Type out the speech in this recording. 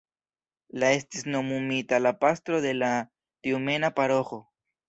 La estis nomumita la pastro de la tjumena paroĥo.